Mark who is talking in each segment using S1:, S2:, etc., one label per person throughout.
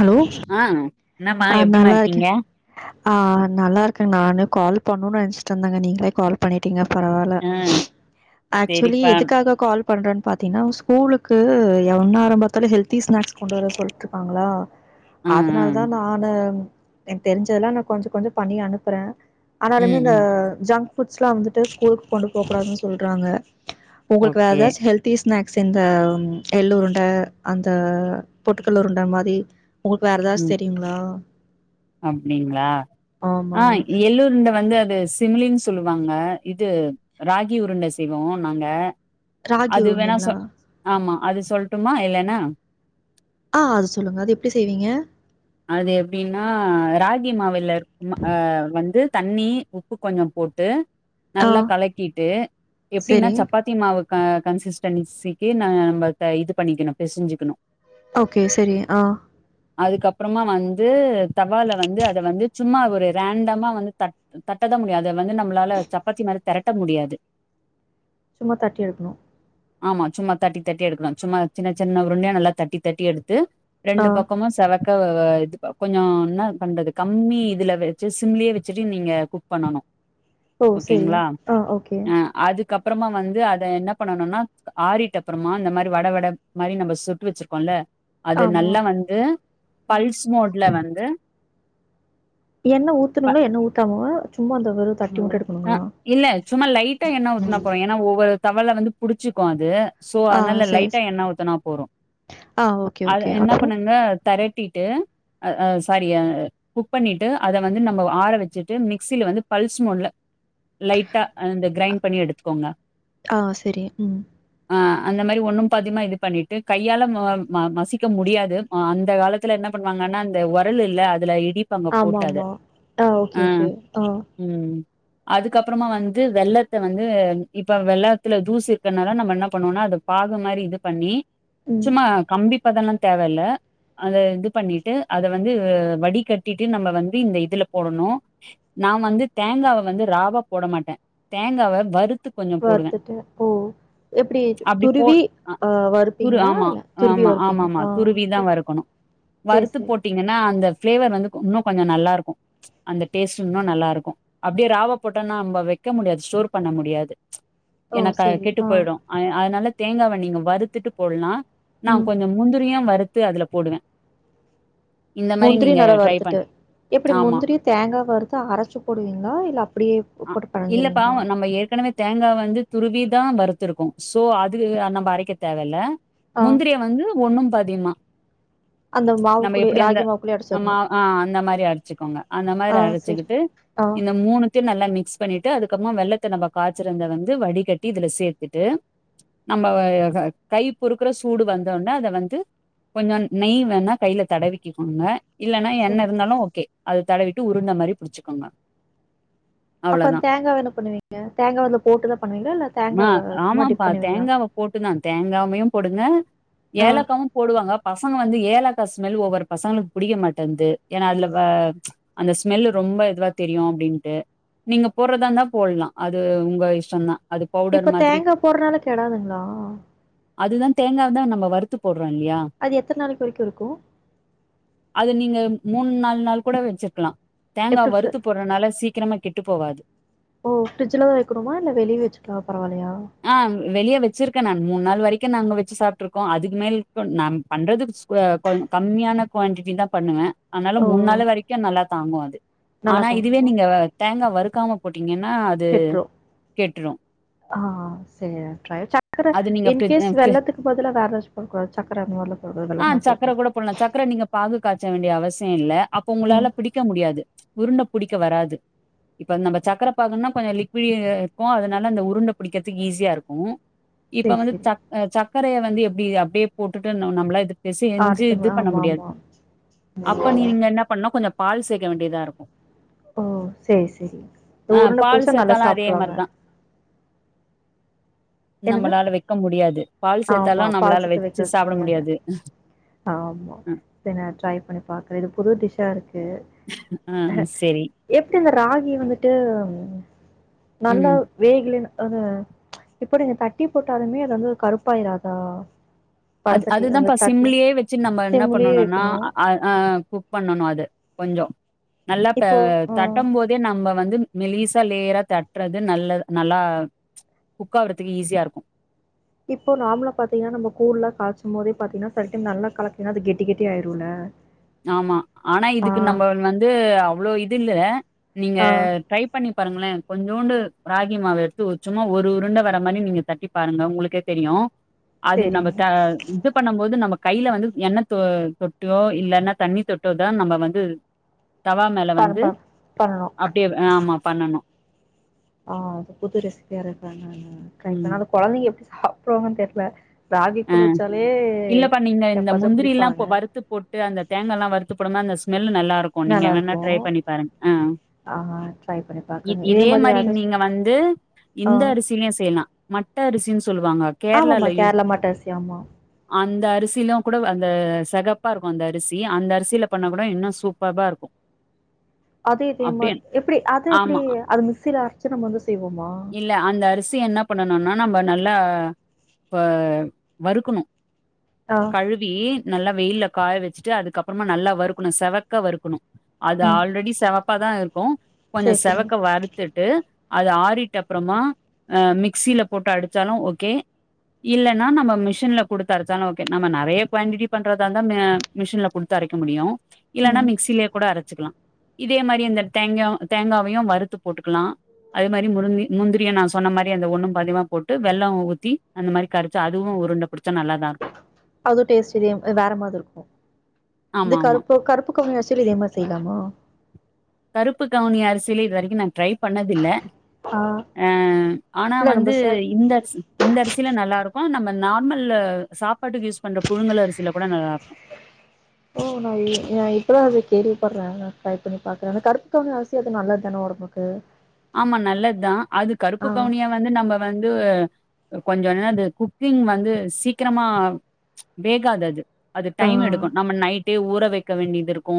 S1: Hello
S2: ஆ என்னமா
S1: ஆ
S2: எப்டிமா
S1: நல்லா இருக்கே
S2: இருக்கீங்க
S1: ஆ நல்லா இருக்க நானு கால் பண்ணும்னு நினைச்சிட்டு இருந்தேங்க நீங்களே கால் பண்ணிட்டீங்க பரவாயில்ல
S2: ஆ
S1: ஆக்சுவலி
S2: செரிப்பா
S1: எதுக்காக கால் பண்ணுறேன்னு பாத்தீங்கன்னா ஸ்கூலுக்கு என்னார பாத்தாலும் ஹெல்தி ஸ்நாக்ஸ் கொண்டு வர சொல்ட்டுருக்காங்களா
S2: ஆ ஆ
S1: அதனால தான் நானு எனக் தெரிஞ்சதெல்லாம் நா கொஞ்சம் கொஞ்சம் பண்ணி அனுப்புறேன் ஆனாலுமே
S2: ம்
S1: இந்த
S2: ம்
S1: ஜங்க் ஃபுட்ஸ்லாம் வந்துட்டு ஸ்கூலுக்கு கொண்டு போ கூடாதுன்னு தான் சொல்றாங்க உங்களுக்கு வேற
S2: ஓகே
S1: எதாச் ஹெல்ப் தீஸ்நாக்ஸ் இந்த எள்ளுருண்டை அந்த பொட்டுக்கல்ல உருண்டை மாரி உங்களுக்கு வேற எதாச்சு
S2: ம்
S1: தெரியுங்களா
S2: அப்டிங்களா ஆ
S1: ஆமாங்க.
S2: எள்ளு உருண்ட வந்து அது சிம்லின்னு சொல்வாங்க இது ராகி உருண்டை செய்வோம் நாங்க
S1: ராகி
S2: அது வேணா சொ
S1: உருண்டைங்களா?
S2: ஆமா அது சொல்ட்டுமா இல்லன்னா
S1: ஆ அது சொல்லுங்க அது எப்டி செய்வீங்க
S2: அது எப்டின்னா ராகி மாவில வந்து தண்ணி உப்பு கொஞ்சம் போட்டு
S1: ஆ.
S2: நல்லா கலக்கிட்டு எப்டின்னா
S1: சரி.
S2: சப்பாத் த்தி மாவு கன்ஸ்டன்ஸி ந இது பண்ணிக்கணும் பெசஞ்சிக்கணும்
S1: ஓகே சரி ஆ
S2: அதுக்கப்புறமா வந்து தவால வந்து அத வந்து சும்மா ஒரு ரேண்டமா வந்து தட் தட்டத முடியு அத வந்து நம்மளால சப்பாத்தி மாரி தெரட்ட முடியாது
S1: சும்மா தட்டி எடுக்ணு
S2: ஆமா சும்மா தட்டி தட்டி எடுக்ணு சும்மா சின்ன சின்ன உருண்டையா நல்லா தட்டி தட்டி எடுத்து
S1: ஆ.
S2: ரெண்டு பக்கமு செவக் இது கொஞ்ச என்ன பண்றது கம்மி இதுல வச்சு சிம்லேயே வச்சுட்டு நீங்க குக் பண்ணணு
S1: ஓ! சரி.
S2: ஓகேங்ளா
S1: ஆ ஓகே.
S2: அ அதுக் கப்புறமா வந்து அத என்ன பண்ணனுனா ஆறிட்ட அப்புறமா அந்த மாரி வட வட மாரி நம்ம சுட்டு வச்சிருக்கோல்ல அது
S1: ஆமா.
S2: நல்லா வந்து பல்ஸ் மோட்ல வந்து
S1: எண்ணெ ஊத்தணுங்ளா எண்ணெ ஊத்தாமவா சும்மா அந்த வெறு தட்டி உட்டுடு
S2: ஆ இல்ல சும்மா லைட்டா எண்ணெ ஊத்துனா போறுமஸ ஏன்னா ஒவ்வொரு தவல வந்து புடிச்சுக்கு அது சோ
S1: ஆ
S2: அனால
S1: சரி,
S2: லைட்டா
S1: சரி.
S2: எண்ணெ ஊத்தனா போரு
S1: ஆ ஓகே,
S2: அது
S1: ஓகே.
S2: என்ன
S1: அப்புறம்?
S2: பண்ணுங்க தரட்டிட்டு அ சாரி குக் பண்ணிட்டு அத வந்து நம்ப ஆற வச்சுட்டு மிக்சியில வந்து பல்ஸ் மோட்ல லைட்டா அந்த கிரைண்ட் பண்ணி எடுத்துக்கோங்க
S1: ஆ செரி ம்
S2: ஆ அந்த மாரி ஒண்ணும் பாதிமா இது பண்ணிட்டு கையால ம மசிக்க முடியாது அந்த காலத் த்துல என்ன பண்ணுவாங்கன்னா அந்த உரல் இல்ல அதுல இடிப்
S1: ஆமாமா ஆ ஓகே ஓகே ஆ
S2: ம் அதுக்கப்புறமா வந்து வெள்ளத்த வந்து இப்ப வெள்ளத்துல தூசு இருக்கனால நம்ம என்ன பண்ணுவோன அத பாகு மாரி இது பண்ணி
S1: ம்.
S2: சும்மா கம்பி பதல்லா தேவ இல்ல அது இது பண்ணிட்டு அத வந்து வடிகட்டிட்டு நம்ம வந்து இந்த இதுலா போடனு நா வந்து தேங்காவ வந்து ராவா போட மாட்டே தேங்காவ வறுத்து கொஞ்சோ போடுவே
S1: வறுதட்டு ம் எப்டி
S2: அப்டி போ
S1: துருவி
S2: அ
S1: ஆ
S2: துரு
S1: வறுப்பீங்ளா
S2: ஆமா
S1: இல்ல துருவி
S2: ஆமா
S1: வருறுப்பீங்ளா
S2: ஆமாமா
S1: ஆ
S2: துருவிதா
S1: செரி
S2: வறுக்கணு வறுத்து போட் பாத்திங்னா அந்த பிளேவர் வந்து இன்னு கொஞ்சோ நல்லா இருக்கு அந்த டேஸ்டு இன்னுநல்லா இருக்கு அப்டே ராவா போட்டோம்னா நம்ம வைக்க முடியாது ஸ்டோர் பண்ண முடியாது
S1: ஓ!
S2: எனக் ஆ
S1: சரி.
S2: கெட்டு போயிரு அ அதனால தேங்காவ நீங்க வறுத்துட்டு போல்லா நா
S1: ம்.
S2: கொஞ்ச முந்திரியா வறுத்து அதுல போடுவே இந்த மாரி
S1: முந்திரி
S2: நீங்க
S1: நல்ல
S2: ட்ரை பண்
S1: வறுத்துட்டு எபடி
S2: ஆமா
S1: முந்திரி தேங்கா வறுத்து அரச்சு போடுவீங்ளா இல்ல அப்டியே
S2: ஆ
S1: போட்டு
S2: இல்லப்பா
S1: பெனஞ்சிருவீங்களா
S2: நம்ம ஏற்கனவே தேங்கா வந்து துருவி தா வறுத்துருக்குகே ஸோ அது நம்ம அரைக்க தேவல்லா
S1: ஆ
S2: முந்திரிய வந்து ஒண்ணும் பாதிமா
S1: அந்த மாவ் கூடே ராகி மாவுக்குள்ளே
S2: ஆமா
S1: அடச்சிர்னு
S2: ஆ அந்த மாரி அரச்சுக்கோங்க அந்த மாரி
S1: சரி
S2: அரச்சிக்கிட்டு
S1: ஆ
S2: இந்த மூணு து நல்லா மிக்ஸ் பண்ணிட்டு அதுக்கப்மா வெள்ளத்த நம்ம காய்சறத வந்து வடிகட்டி இதுல சேர்த்துட்டு நம்ம கை பொறுக்குற சூடு வந்தோனா அத வந்து கொஞ்ச நெய் வேணா கையில தடவிக்க குடுங்க இல்லன்னா
S1: சரி
S2: எண்ணெ இருந்தாலு ஓகே அது தடவிட்டு உருண்ட மாரி புடிச்சிக்கோங்க
S1: அப்ப தேங்காவ என்ன பண்ணுவீங்க தேங்காவ அதுல போட்டுதா பண்ணுவீங்ளா இல்ல தேங்காவ சும்மா டிப் பண்ணுவீங்ளா
S2: போட்டு நா தேங்காமையு போடுங்க
S1: ஆ
S2: ஏலக்காவு போடுவாங்க பசங்க வந்து ஏலாக்கா ஸ்மேல் ஒவ்வொரு பசங்களுக் புடிக்க மாட்டன்து ஏன்னா அதுல வ அந்த ஸ்மெல் ரொம்ப இதுவா தெரியு அப்டின் டு நீங்க போட்றதா இருந்தா போட்லா அது உங்க இஷ்டந்தா அது பவுடர்
S1: இப்ப
S2: மாதிரி
S1: தேங்கா போர்றனால கெடாதுங்ளா
S2: அதுதா தேங்காய் தா நம்ம வருத்து போடுறோ இல்லையா
S1: அது எத்தனை நாளைளுக்கு வரைக்கும் இருக்கும்
S2: அது நீங்க மூணு நாலு நாள் கூட வச்சிருக்கலா
S1: எப்டி ஃப்ரி
S2: தேங்காவறுத்து போடுறனால சிக்கரமா கெட்டு போவாது
S1: ஓ ஓட்டிஜில வைக்கணுமா இல்ல வெளிய வச்சுக்கா பரவாயில்லையா
S2: ஆ வெளியே வச்சிருக்கேன் நான் மூணு நாள் வரைக்கு நாங்க வச்சு சாப்பிட்டுருக்கோ அதுக்கு மேல நா பண்றதுக்கு வொ கொஞ் கம்மியான குவான்டிட்டி தா பண்ணுவே அதனால
S1: ஓ
S2: மூண நா வரைக்கு நல்லா தாங்கு அது
S1: நல்லா
S2: ஆனா இதுவே
S1: தாங்குமா
S2: நீங்க தேங்கா வறுக்காம போட்டீங்கன்னா அது
S1: கெட்ரு
S2: கெட்டுரு
S1: ஆ ஆ சேர் ட்ரை பண்ற
S2: அது நீங்க ஃப்ரிட் அ
S1: இன்கேஸ்
S2: ஃப்ரி
S1: வெல்லத்துக்கு பதிலா வேற எதாச் போடக்கூாது சக்கர அது மாரிலா போடக்கூடாது வெள்ளம் தான் போடனு
S2: இப்பல்லா சக்கர நீங்க பாகு காய்ச வேண்டிய அவசிய இல்ல அப்ப உங்களால
S1: ம்
S2: பிடிக்க முடியாது உருண்ட பிடிக்க வராது இப்ப நம்ம சக்கரை பாகு நா கொஞ்சோ லிக்வீடா இருக்கும் அதனால அந்த உருண்டை பிடிக்கிறதுக்கு ஈஸியா இருக்கு இப்ப
S1: சரி
S2: வந்து
S1: சரி
S2: ச சர்க்கரைய வந்து எப்டி அப்டியே போட்டுட்டு நம்மளா இது பெசஞ்சி
S1: அரைக்கும்
S2: இது பண்ண
S1: ஆமாம்
S2: முடியாது
S1: ஆமாம்
S2: அப்ப நீ நீங்க என்ன பண்ணா கொஞ்சம் பால் சேர்க்க வேண்டியதா இருக்கு
S1: ஓ சேரி சேரி
S2: ஆ
S1: உருண்ட
S2: பால்
S1: புடிசா நல்லா
S2: சேத்தாலு அதே
S1: சாப்பிடுருவாங்க
S2: மாரிதா
S1: என்னது
S2: நம்மளால வைக்க முடியாது பால் சேர்த்தாலும்
S1: ஆமாம் பால்
S2: நம்மளால வச்சு சாப்பிட முடியாது ம்
S1: ஆமா சேர் நா ட்ரை பண்ணி பாக்குறேன் இது புது டிஷ்ஷா இருக்கு
S2: ஆ செரி
S1: எப்டி இந்த ராகி வந்துட்டு நல்ல
S2: ம்
S1: வேகல ஆனா இப்ப நீங்க தட்டி போட்டாலுமே அது வந்து கருப்பாயிராதா
S2: அது
S1: படசட்டி
S2: அதுதான்
S1: அந்த
S2: பா
S1: தட்டில்
S2: சிம்லியே வச்சு நம்ம என்ன
S1: சிம்லேயே
S2: பண்ணணும்னா
S1: வைக்கணும்
S2: அ அ குக் பண்ணணும் அது கொஞ்சம் நல்லா த
S1: இப்போ ஆ
S2: தட்டும் போது தே நம்ம வந்து மெலிசா லேயரா தட்றது நல்லது நல்லா குக் ஆவ்றதுக்கு ஈஸியா இருக்கு
S1: இப்போ நாமலா பாத்தீங்கன்னா நம்ம கூழ்லா காச்சும் போதே பாத்தீன்னா செல டைம் நல்ல கலக்கனா அது கெட்டி கெட்டி ஆய்டுல
S2: ஆமா ஆனா இதுக்கு நம்மல் வந்து அவ்ளோ இது இல்ல
S1: ஆ
S2: நீங்கட் ட்ரை பண்ணி பாருங்களே கொஞ்சோண்டு ராகி மாவு எடுத்து ஒர் ச்சும்மா ஒரு உருண்ட வர மாரி நீங்க தட்டி பாருங்க உங்களுக்கே தெரியு அது நம்ம
S1: சேரிங்க
S2: த இது பண்ணம் போது நம்ம கைய்ல வந்து என்ன தொ தொட்டோ இல்லன்னா தண்ணி தொட்டு தா நம்ம வந்து தவா மேல
S1: பண்
S2: வந்து
S1: பண் பண்ணணு
S2: அ அப்டி ஆமா பண்ணணும்
S1: ஆ அது புது ரெசிபியா இருக்கேன் நான் ட்ரை பண்ணேன்
S2: ம்.
S1: ஆனா குழந்தைங்க எப்டி சாப்பிடுவாங்கன்னு தெர்ல ராகி
S2: அ
S1: கூழ் வச்சாலே
S2: இல்லப்பா நீங்க இந்த
S1: எப்பத்தான்
S2: முந்திரிலாம்
S1: குடிப்பாங்க
S2: இப்போ வறுத்து போட்டு அந்த தேங்கா எல்லாம் வருத்துப்படும்மா அந்த ஸ்மெல் நல்லா இருக்கும் நீங்க
S1: நல்லா
S2: வேணா
S1: இருக்கு
S2: ட்ரை பண்ணி பாருங்க அ
S1: ஆ ட்ரை பண்ணி
S2: இ
S1: பாக்குறங்க
S2: இதே
S1: மாதிரி
S2: மாரி
S1: வேற ஏதாச்சு
S2: நீங்க வந்து
S1: ஆ
S2: இந்த அரிசியிலும் செய்யலாம் ம மட் அரிசின்னு சொல்லுவாங்க
S1: ஆமாம்மா
S2: கேரளால யூஸ்
S1: கேரளா மட்ட அரிசி ஆமா
S2: அந்த அரிசியிலும் கூட அந்த செகப்பா இருக்கும் அந்த அரிசி அந்த அரிசியில பண்ண கூட இன்னும் சூப்பர்பா இருக்கும்
S1: அதது இதே மாரி எப்டி அது எப்டி
S2: ஆமா
S1: அது மிக்சி ல அரைச்சி நாம் வந்து செய்வோமா
S2: இல்ல அந்த அரிசி என்ன பண்ணணும்னா நம்ம நல்லா இப்ப வறுக்கணும்
S1: ஆ
S2: கழு வி நல்லா வெயில்ல காய வச்சுட்டு அதுக்க அப்பறமா நல்லா வறுக்கணும் செவக்க வறுக்கணும் அது
S1: ம்
S2: ஆல்ரெடி செவப்பாதான் இருக்கும்
S1: சரி
S2: கொஞ்சம்
S1: சரிங்க
S2: செவக்க வறு த்துட்டு அது ஆறிட்டு அப்பறமா மிக்சில போட்டு அடிச்சாலும் ஓகே இல்லன்னா நம்மப் மிஷின்ல குடுத் அரைச்சாலு ஓகே நம்ம நறைய க்வாண்டிட்டி பண்றதா தா மே மிஷின்ல குடுத்து அரைக்க முடியு இல்லன்னா
S1: ம்
S2: மிக்சில்யே கூட அரச்சிக்லா இதே மாரி இந்த தேங்யு தேங்காவையு வறுத்து போட்டுக்கலா அதே மாரி முருந்தி முந்திரிய நா சொன்ன மாரி அந்த ஒண்ணு பாதிமா போட்டு வெள்ளோ ஊத்தி அந்த மாரி கரச்சி ஆல் துவு உருண்ட பிடிச்சா நல்லாதா ருக்கு
S1: அது டேஸ் தெரியெம் எ வேற மாத் இருக்கு இந்த
S2: ஆமா ஆமா
S1: கருப்பு கருப்பு கவுனி அரிசில இதே மார் செய்லாமா
S2: கருப்பு கவுனி அரிசில இது வரிக்கி நா ட்ரை பண்ணதில்ல
S1: ஆ
S2: எ ஆனா
S1: இல்ல நம்ம
S2: வந்து
S1: ச
S2: இந்தக்ஸு இந்த அரிசில நல்லாரு க்கோ நம்ம நார்மல்ல சாப்பாட்டுக்கு யூஸ் பண்ற புழுங்கல் அரிசில கூட நல்லாருக்கு
S1: ஓ நய் நா இப்பதா அது கேள்விப்பர்றே நா ட்ரை பண்ணி பாக்றே அந்த கருப்பு கவுணி அரிசி அது நல்லத்தான ஒடம்பு கு
S2: ஆமா நல்லத் தா அது கருப்பு கவுனியாவ் வந்து நம்ம வந்துஅ கொஞ்சோ என்னாது குக்கிங் வந்து சீக்ரமா வேகாதது அது
S1: ஆ
S2: டைம் எடுக்கு நம்ம நைட்டே ஊற வெக்க வேண்டியதிருக்கு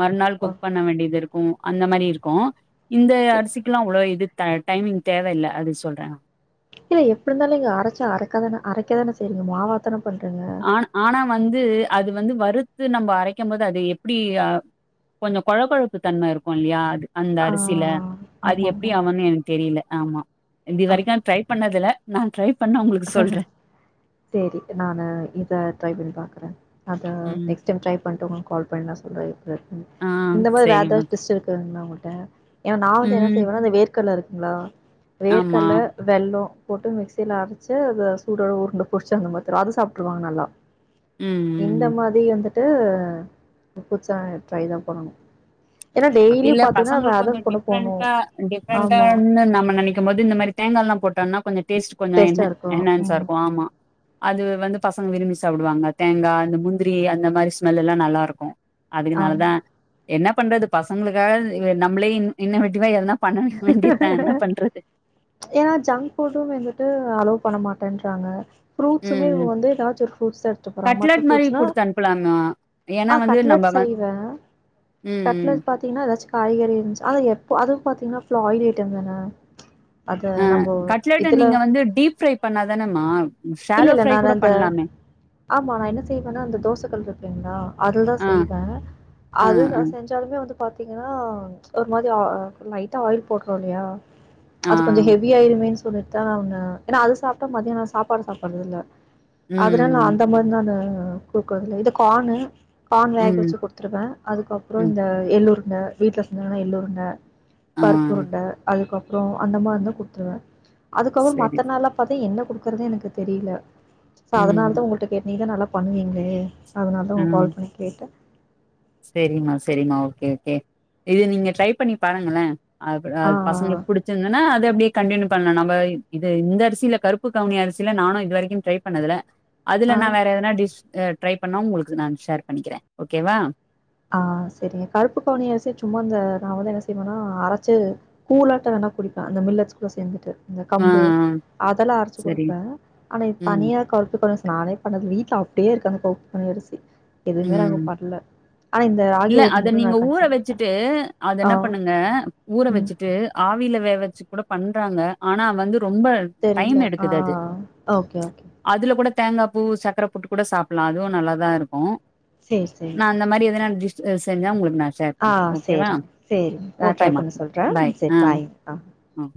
S2: மறுநாள் குக்
S1: ஓகே
S2: பண்ண வேண்டிதுர் உ அந்த மாரி இருக்கு இந்த அரிசிக்லா அவ்ளோ இது த டைமிங் தேவயில்ல அது சொல்றேனா
S1: இல்ல எப்ருந்தாலு இங்க அரச்சா அரக்காதான அரைக்கதான செய்றீங்க மாவாத்தன பண்றீங்க
S2: ஆன் ஆனா வந்து அது வந்து வறுத்து நம்ப அரைக்கும்போது அது எப்டி ஆ கொஞ்சோ கொழ கொழப்பு தன்ம இருக்கு இல்யா அது அந்த
S1: ஆ
S2: அரிசில அது
S1: ஆமா
S2: எப்டி
S1: ஆமா
S2: ஆவன்னு எனக் தெரில ஆமா இப்டி
S1: ஆ
S2: வரைக்கு ட்ரை பண்ணதுல நா ட்ரை பண்ணா உங்ளுக்கு சொல்றே
S1: சேரி நானு இத ட்ரை பண்ணி பாக்குறே அத
S2: ம்.
S1: நெக்ஸ் டைம் ட்ரை பண்ட்டு உங்களுக் கால் பண்ணி நா சொல்றே எப்டி இருக்குன்
S2: ஆ
S1: இந்த மார்
S2: சரிம்மா.
S1: வேதாவ் டிஸ் இருக்குங்ளா உங்கள்ட்ட ஏனா நா வந்து என்ன
S2: ம்.
S1: செய்வேன்னா இந்த வேர்கல்ல இருக்குங்ளா
S2: ஆமா.
S1: வேர்கல்ல வெல்லோ போட்டு மிக்சில அரச் சு அது சூடோட உருண்ட புடிச்சு அந்த மாரி தருவோ அது சாப்ட்டுருவாங்க நல்லா
S2: ம்,
S1: இந்த
S2: ம்.
S1: மாரி ரி வந்துட்டு புதுசா நா ட்ரை தா பண்ணணு ஏன்னா
S2: அப்டி
S1: டெய்லியு
S2: இல்ல
S1: பாத்தீங்கன்னா வேற
S2: பசங்களுக்கு கொஞ்சோ
S1: ஏதாது கொண்டு போணு
S2: டிஃப்ரெண்டா
S1: ஆமா
S2: டிஃப்ரெண்டானு நம்ம நெனைக்கும் போது இந்த மாரி தேங்கால்லா போட்டோன்னா கொஞ்சோ டேஸ்ட் கொஞ்சோ
S1: டேஸ்ட்டா
S2: என்ன
S1: இருக்கு
S2: என்னென்ஸா
S1: ம்
S2: இருக்கு ஆமா அது வந்து பசங்க விரும்பி சாப்டுவாங்க தேங்கா அந்த முந்திரி அந்த மாரி ஸ்மெல்லுலா நல்லா இருக்கூ
S1: ஆமா
S2: அதுக்குனாலதா என்ன பண்றது பசங்களுக்காக நம்மளே இன் இன்னவெட்டிவா எதுனா
S1: ஏன்னா ஜங்க் ஃபுட்டு வெந்துட்டு அலோ பண்ண மாட்டேன்றாங்க ஃப்ரூட்ஸுமே
S2: ம்.
S1: வந்து ஏதாச் ஒர் ஃப்ரூட்ஸ் எடுத்துக்றாங் மத்த ஃப்ரூட்ஸ்னா
S2: ப்லாமா
S1: அ கட்லெட் செய்வே
S2: ம் ம்
S1: த்தீங்னா ஏதாச் காய்கறி இருந்ச் அத எப்போ அது பாத்தீங்னா ஃப்ளாய்லி ஐட்டம் தான அது
S2: ஆ
S1: நம்போ
S2: கட்லட்ட
S1: இதுல
S2: நீங்க வந்து டீப் ஃப்ரை பண்ணாதானம்மா
S1: இல்லல்ல நான் அந்த ஆமா நா என்ன செய்வேனா அந்த தோச கல் ருக்குங்ளா அதுலதா
S2: ஆ
S1: செய்வே
S2: ஆ
S1: அது நா
S2: ஆ
S1: செஞ்சாலுமே வந்து பாத்தீங்கன்னா ஒரு மாதி ஆஆ லைட்டா ஆயில் போட்றோல்லையா
S2: ஆ
S1: அது கொஞ்சோ ஹெவியாயிருமேன் சொல்லிட் தா நா உன்ன ஏனா அது சாப்ட்டா மதியோ நா சாப் சாப்பாடு சாப்பறது இல்ல அதனால நா
S2: ம்
S1: அந்த மாரி தா ந்த குடுக்குறது இல்ல இது கானு கான் வேக
S2: ம்
S1: வச்சு குடுத்ருவே அதுக்கப்புறோ
S2: ம்
S1: இந்த எள்ளுருண்ட வீட்ல செஞ்சாங்கன்னா எள்ளுருண்ட
S2: ஆ
S1: பருப்புருண்ட அதுக்கப்புறோ அந்த மார்ருந்தா குத்துருவே அதுக்கப்புறோ மத்த
S2: சரி
S1: நாள்ளா பாத்தா என்ன குடுக்குறதுனே எனக்கு தெரில சா அதனாலதா
S2: ம்
S1: உங்கள்ட்ட கேட்ட நீங்கதா நல்லா பண்ணுவீங்களே அதனாலாதா உங்க கால் பண்ணி கேட்ட
S2: செரிம்மா செரிம்மா ஓகே ஓகே இது நீங்க ட்ரை பண்ணி பாருங்கள அ அ
S1: ஆ
S2: பசங்களுக்கு புடிச்சிருந்தன்னா அது அப்டே கண்டினியூ பண்ணலா நம்ப இது இந்த அரிசி இல்ல கருப்பு கவுனி அரிசில நானு இது வரைக்கு ட்ரை பண்ணதுல்ல அதுல நா வேற எதனா டிஷ் ட்ரை பண்ணா உங்களுக்கு நா ஷேர் பண்ணிக்கிறே ஓகேவா
S1: ஆ செரிங்க கருப்பு கவுனி அரிசிய சும்மா இந்த நா வந்து என்ன செய்வேன்னா அரச்சு கூலாட்ட வேணா குடிப்பே அந்த மில்லட்ஸ் கூட சேந்துட்டு இந்த
S2: ஆ ஆ
S1: கம்பு அதெல்லா அரச்சு
S2: சரி
S1: குடுப்ப ஆனா இப்
S2: ம்
S1: தனியா கருப்பு கவுனி அரி நானே பண்ணதுல்ல வீட்ல அப்டியே இருக்கு அந்த கருப்பு கவுனி அரிசி எதுமே நாங்க
S2: ம்
S1: பண்ல
S2: இல்ல அத நீங்க ஊற
S1: பண்றே
S2: வெச்சுட்டு அத என்ன
S1: ஆ
S2: பண்ணுங்க ஊற
S1: ம்
S2: வெச்சுட்டு ஆவில வே வச்சு கூட பண்றாங்க ஆனா வந்து ரொம்ப
S1: தெரில
S2: டைம்
S1: ஆ
S2: எடுக்குது அது.
S1: ஓகே ஓகே
S2: அதுல கூட தேங்கா பூ சக்கர போட்டு கூட சாப்புலா அதுவு நல்லாதா இருக்கு
S1: சேரி சேரி
S2: நா அந்த மாரி எதனா டிஷ்ஸு செஞ்சா உங்களுக்கு நா ஷேர்
S1: ஆ
S2: பண் ஓகேவா
S1: சேரிங்க சேரிங்க நா ட்ரை
S2: ஓகேமா
S1: பண்ணி சொல்றே
S2: பாய்
S1: ம் சேரி
S2: ஆ
S1: பாய் ஆ
S2: ம்